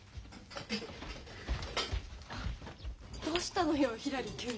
どうしたのよひらり急に。